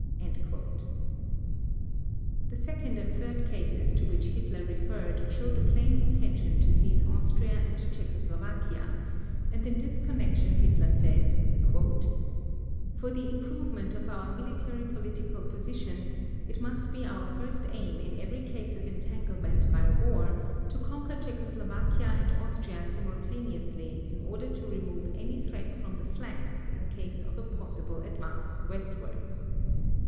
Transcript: The second and third cases to which Hitler referred show the plain intention to seize Austria and Czechoslovakia, and in this connection Hitler said: "For the improvement of our military political position, it must be our first aim in every case of entanglement by war to conquer Czechoslovakia and Austria simultaneously in order to remove any threat from the flanks in case of a possible advance westwards."